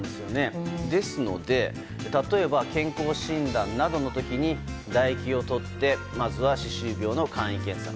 ですので、例えば健康診断などの時に唾液を採ってまずは歯周病の簡易検査。